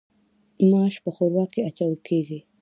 ماش په ښوروا کې اچول کیږي.